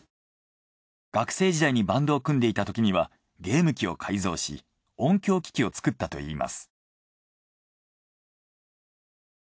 学生時代にバンドを組んでいたときにはゲーム機を改造し音響機器を作ったといいます。